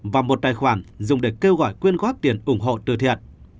và một tài khoản dùng để kêu gọi quyên góp tiền ủng hộ từ thiện